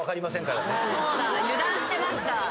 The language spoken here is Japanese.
そうだ油断してました。